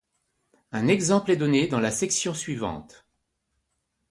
Un exemple est donné dans la section suivante.